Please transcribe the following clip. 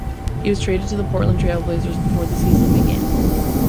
He was traded to the Portland Trail Blazers before the season began.